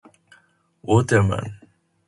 Waterman.